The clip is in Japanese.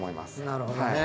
なるほどね。